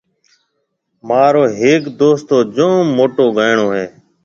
مهارو هيَڪ دوست تو جوم موٽو گائيڻو هيَ۔